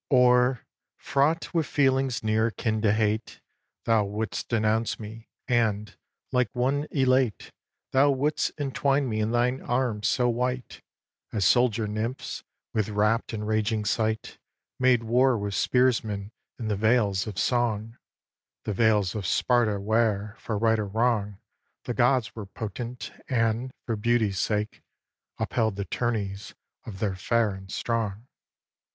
x. Or, fraught with feelings near akin to hate, Thou wouldst denounce me; and, like one elate, Thou wouldst entwine me in thine arms so white, As soldier nymphs, with rapt and raging sight, Made war with spearsmen in the vales of song, The vales of Sparta where, for right or wrong, The gods were potent, and, for beauty's sake, Upheld the tourneys of the fair and strong.